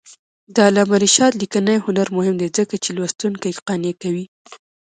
د علامه رشاد لیکنی هنر مهم دی ځکه چې لوستونکي قانع کوي.